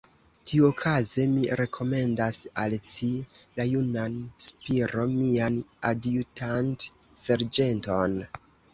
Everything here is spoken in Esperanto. Tiuokaze, mi rekomendas al ci la junan Spiro, mian adjutant-serĝenton.